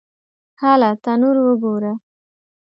_هله! تنور وګوره!